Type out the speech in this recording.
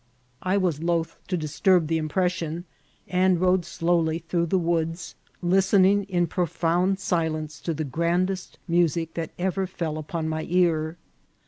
I was loth to disturb the impression, and rode slowly through the woods, listening in pro found silence to the grandest music that ever fell upon my ear.